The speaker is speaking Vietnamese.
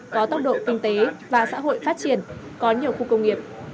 có tốc độ kinh tế và xã hội phát triển có nhiều khu công nghiệp